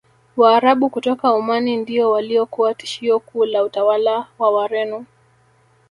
Waarabu kutoka Omani ndio waliokuwa tishio kuu la utawala wa Wareno